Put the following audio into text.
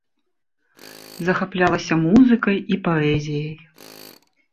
Захаплялася музыкай і паэзіяй.